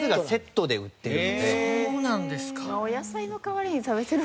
そうなんですか。